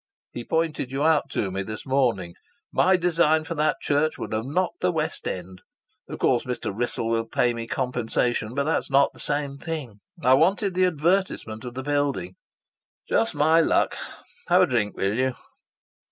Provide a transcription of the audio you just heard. He pointed you out to me this morning. My design for that church would have knocked the West End! Of course Mr. Wrissell will pay me compensation, but that's not the same thing. I wanted the advertisement of the building.... Just my luck! Have a drink, will you?"